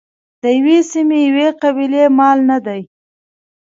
د یوې سیمې یوې قبیلې مال نه دی.